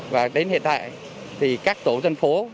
và đến hiện tại thì các tổ dân phố